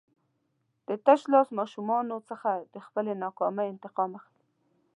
د تشلاس ماشومانو څخه د خپلې ناکامۍ انتقام اخلي.